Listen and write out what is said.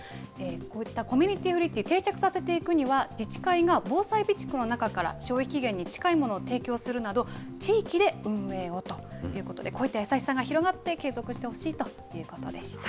こういったコミュニティフリッジ、定着させていくには、自治会が防災備蓄の中から、消費期限に近いものを提供するなど、地域で運営をということで、こういった優しさが広がって、継続してほしいということでした。